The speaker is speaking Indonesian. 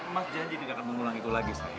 mas janji dia nggak akan mengulang itu lagi sayang